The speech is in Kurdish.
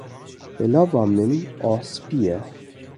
Pêlava min, a spî ye